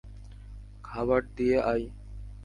খাবার দিয়ে আই।